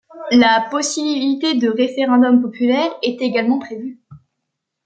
La possibilité de référendum populaire est également prévue.